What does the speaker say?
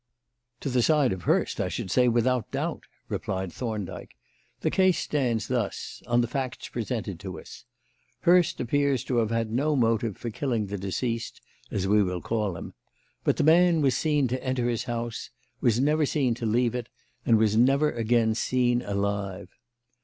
"To the side of Hurst, I should say, without doubt," replied Thorndyke. "The case stands thus on the facts presented to us: Hurst appears to have had no motive for killing the deceased (as we will call him); but the man was seen to enter his house, was never seen to leave it, and was never again seen alive.